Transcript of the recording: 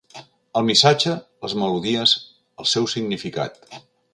El missatge, les melodies, el seu significat.